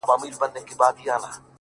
دا ستا پر ژوند در اضافه كي گراني!